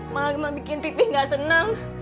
malah membuat pipih gak seneng